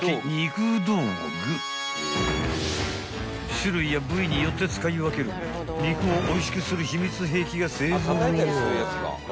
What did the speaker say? ［種類や部位によって使い分ける肉をおいしくする秘密兵器が勢揃い］